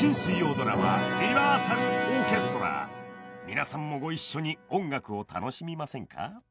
皆さんもご一緒に音楽を楽しみませんか？